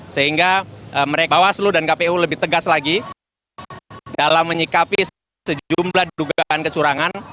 sehingga bawaslu dan kpu lebih tegas lagi dalam menyikapi sejumlah dugaan kecurangan